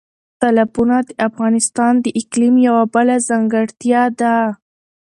تالابونه د افغانستان د اقلیم یوه بله ځانګړتیا ده.